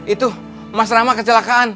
itu mas rama kecelakaan